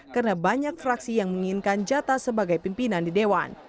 karena banyak fraksi yang menginginkan jatah sebagai pimpinan di dewan